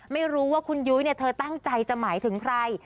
ไม่รู้ว่าคุณยุ้ยเธอตั้งใจจะหมายถึงใคร